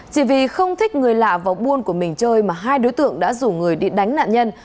chỉ vì không thích người lạ vào buôn của mình chơi mà hai đối tượng đã rủ người đi đánh nạn nhân